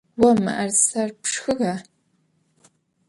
Vo mı'erıser pşşxığa?